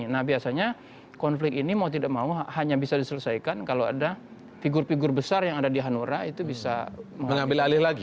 nah biasanya konflik ini mau tidak mau hanya bisa diselesaikan kalau ada figur figur besar yang ada di hanura itu bisa mengambil alih lagi